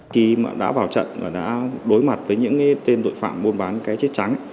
khi đã vào trận và đã đối mặt với những tên tội phạm buôn bán cái chết trắng